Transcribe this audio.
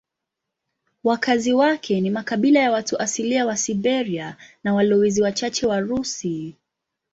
Wakazi wake ni makabila ya watu asilia wa Siberia na walowezi wachache Warusi.